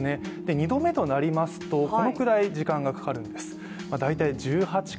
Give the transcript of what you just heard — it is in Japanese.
２度目となりますと、このくらい時間がかかるんです。